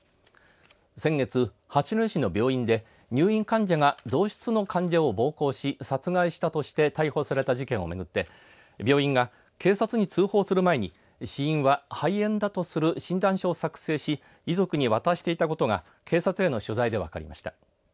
先月、八戸市の病院で入院患者が同室の患者を暴行し殺害したとして逮捕された事件を巡って病院が警察に通報する前に死因は肺炎だとする診断書を作成し遺族に渡していたことが警察への取材で分かりました。